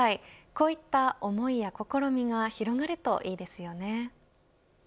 こういった思いや試みが広がるといいですよね。